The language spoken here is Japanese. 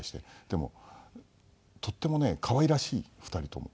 でもとってもね可愛らしい２人とも。